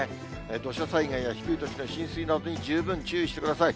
土砂災害や低い土地の浸水などに十分注意してください。